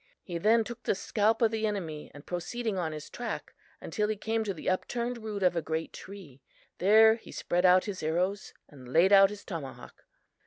He then took the scalp of the enemy and proceeded on his track, until he came to the upturned root of a great tree. There he spread out his arrows and laid out his tomahawk.